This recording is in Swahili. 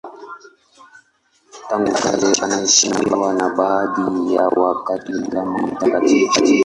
Tangu kale anaheshimiwa na baadhi ya Wakatoliki kama mtakatifu.